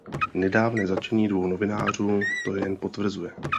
Nedávné zatčení dvou novinářů to jen potvrzuje.